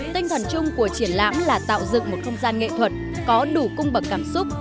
tinh thần chung của triển lãm là tạo dựng một không gian nghệ thuật có đủ cung bậc cảm xúc